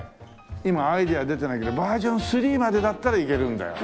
今アイデア出てないけどバージョン３までだったらいけるんだよ。